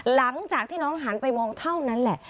หลังจากที่น้องหันไปมองเท่านั้นแหละ